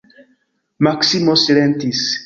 Maksimo silentis.